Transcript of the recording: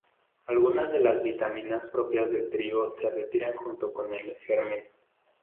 Algunas de las vitaminas propias del trigo se retiran junto con el germen.